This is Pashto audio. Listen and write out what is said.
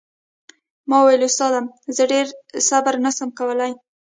ما وويل استاده زه ډېر صبر نه سم کولاى.